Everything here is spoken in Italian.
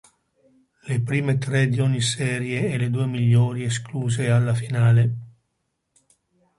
Le primi tre di ogni serie e le due migliori escluse alla finale.